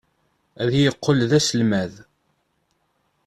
Ad yeqqel d aselmad.